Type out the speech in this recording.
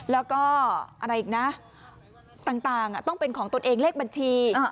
แล้วก็อะไรอีกนะต่างต้องเป็นของตนเองเลขบัญชี